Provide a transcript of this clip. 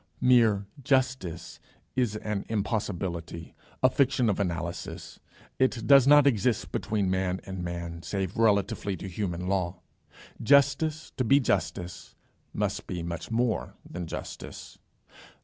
Mere justice is an impossibility, a fiction of analysis. It does not exist between man and man, save relatively to human law. Justice to be justice must be much more than justice.